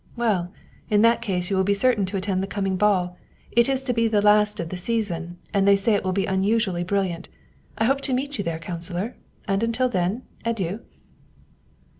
"Well, in that case you will be certain to attend the coming ball. It is to be the last of the season, and they say it will be unusually brilliant. I hope to meet you there, councilor ; and until then, adieu